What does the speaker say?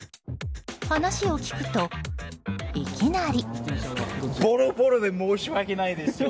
話を聞くといきなり。